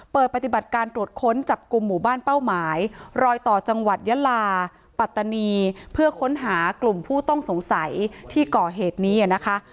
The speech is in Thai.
เปิดปฏิบัติการตรวจค้นจับกลุ่มหมู่บ้านเป้าหมายรอยต่อจังหวัดยะลาปัตตานีเพื่อค้นหากลุ่มผู้ต้องสงสัยที่ก่อเหตุนี้นะคะ